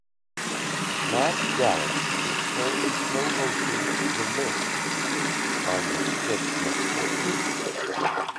Matt Gallant is currently Co-Hosting "The List" on the Scripps Network.